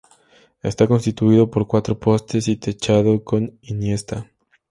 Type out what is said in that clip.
Está constituido por cuatro postes y techado con hiniesta.